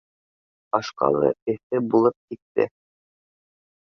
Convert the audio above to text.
Башҡа ла эҫе булып китте.